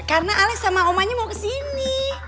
karena alex sama omanya mau kesini